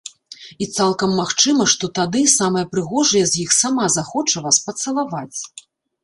І цалкам магчыма, што тады самая прыгожая з іх сама захоча вас пацалаваць!